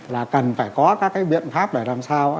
là cần phải có các cái biện pháp để làm sao